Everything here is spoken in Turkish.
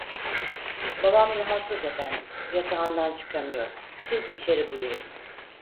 Babam rahatsız efendim, yatağından çıkamıyor, siz içeri buyurun.